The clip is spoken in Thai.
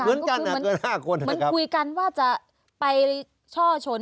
เหมือนกันอ่ะเกินห้าคนนะครับมันคุยกันว่าจะไปช่อชน